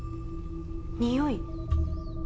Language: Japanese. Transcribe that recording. におい。